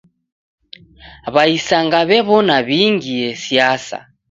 W'aisanga w'ew'ona w'ingie siasa.